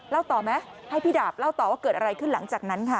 ต่อไหมให้พี่ดาบเล่าต่อว่าเกิดอะไรขึ้นหลังจากนั้นค่ะ